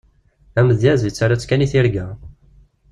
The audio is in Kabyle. Amedyaz, yettarra-tt kan i tirga.